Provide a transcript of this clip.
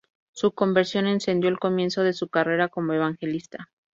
Su conversión encendió el comienzo de su carrera como evangelista.